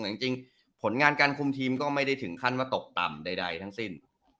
แต่จริงผลงานการคุมทีมก็ไม่ได้ถึงขั้นว่าตกต่ำใดทั้งสิ้น